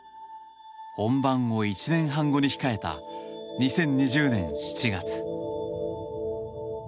本番を１年半後に控えた２０２０年７月。